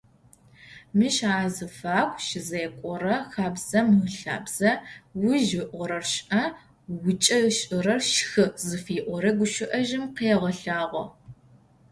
Мыщ азыфагу щызекӏорэ хабзэм ылъапсэ «Уижъ ыӏорэр шӏэ, уикӏэ ышӏырэр шхы» зыфиӏорэ гущыӏэжъым къегъэлъагъо.